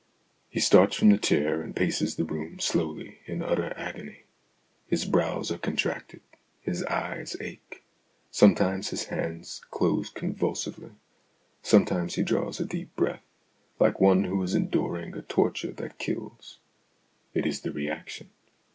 He starts from the chair, and paces the room slowly in utter agony ; his brows are contracted ; his eyes ache ; sometimes his hands close convul THE AUTOBIOGRAPHY OF AN IDEA 61 sively ; sometimes he draws a deep breath, like one who is enduring a torture that kills. It is the reaction.